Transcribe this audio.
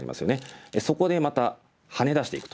そこでまたハネ出していくと。